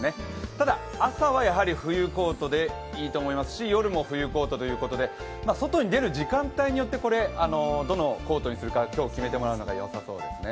ただ、朝はやはり冬コートでいいと思いますし、夜も冬コートということで外に出る時間帯でどのコートにするか、今日決めてもらうのがよさそうですね。